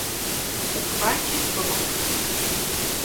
У хаце было пуста.